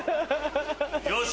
よし！